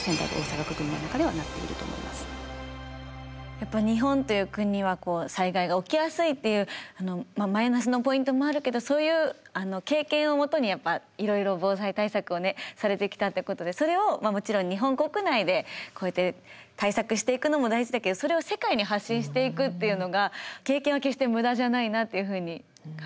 やっぱ日本という国は災害が起きやすいっていうマイナスのポイントもあるけどそういう経験をもとにいろいろ防災対策をされてきたってことでそれをもちろん日本国内でこうやって対策していくのも大事だけどそれを世界に発信していくっていうのが経験は決して無駄じゃないなっていうふうに感じました。